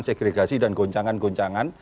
segregasi dan goncangan goncangan